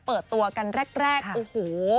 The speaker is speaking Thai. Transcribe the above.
เปิดตัวกันแรกโอ้โห